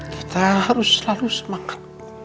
kita harus selalu semangat